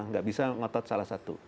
nggak bisa ngotot salah satu